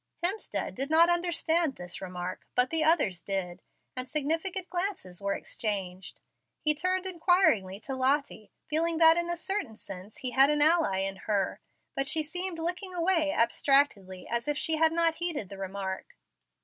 Hemstead did not understand this remark, but the others did, and significant glances were exchanged. He turned inquiringly to Lottie, feeling that in a certain sense he had an ally in her, but she seemed looking away abstractedly as if she had not heeded the remark.